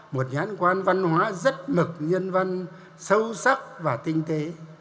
một nhãn quan văn hóa rất mực nhân văn sâu sắc và tinh tế